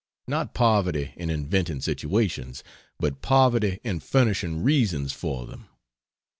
Not poverty in inventing situations, but poverty in furnishing reasons for them.